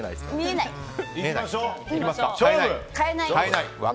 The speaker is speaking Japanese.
変えない！